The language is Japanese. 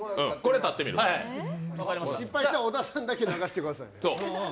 失敗したら、小田さんだけ流してください。